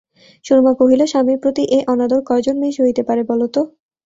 সুরমা কহিল, স্বামীর প্রতি এ অনাদর কয়জন মেয়ে সহিতে পারে বলো তো?